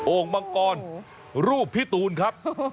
มังกรรูปพี่ตูนครับ